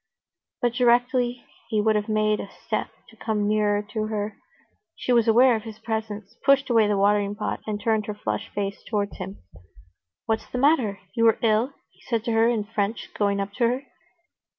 But, directly he would have made a step to come nearer to her, she was aware of his presence, pushed away the watering pot, and turned her flushed face towards him. "What's the matter? You are ill?" he said to her in French, going up to her.